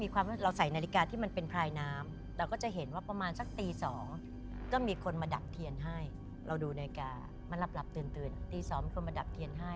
ีไม่ได้เข้าไปไม่รู้ใครมาดับ